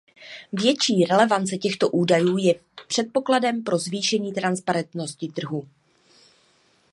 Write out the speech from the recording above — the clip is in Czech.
Větší relevance těchto údajů je předpokladem pro zvýšení transparentnosti trhů.